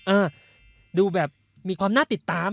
เออดูแบบมีความน่าติดตาม